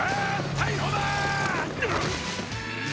逮捕だー！